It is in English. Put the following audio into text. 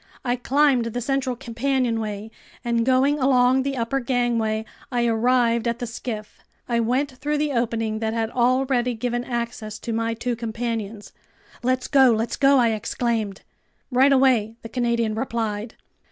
I climbed the central companionway, and going along the upper gangway, I arrived at the skiff. I went through the opening that had already given access to my two companions. "Let's go, let's go!" I exclaimed. "Right away!" the Canadian replied.